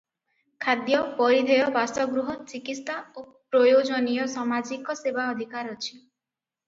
ଖାଦ୍ୟ, ପରିଧେୟ, ବାସଗୃହ, ଚିକିତ୍ସା ଓ ପ୍ରୟୋଜନୀୟ ସାମାଜିକ ସେବା ଅଧିକାର ଅଛି ।